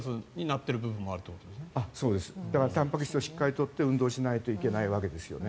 たんぱく質をしっかり取って運動しないといけないわけですね。